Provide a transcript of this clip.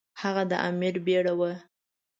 هغه د امیر بیړه وه.